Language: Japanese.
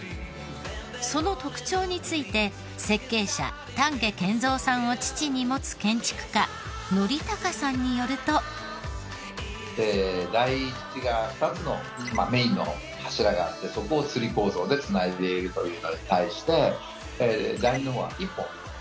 その特徴について設計者丹下健三さんを父に持つ建築家憲孝さんによると。第一が２つのメインの柱があってそこを吊り構造で繋いでいるというのに対して第二の方は１本。